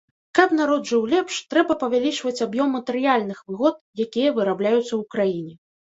Каб народ жыў лепш, трэба павялічваць аб'ём матэрыяльных выгод, якія вырабляюцца ў краіне.